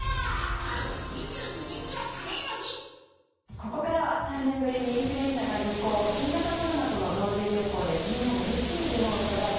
ここからは３年ぶりにインフルエンザが流行新型コロナとの同時流行で気になる３つの疑問と題し